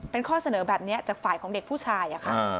เป็นข้อเสนอแบบนี้จากฝ่ายของเด็กผู้ชายค่ะ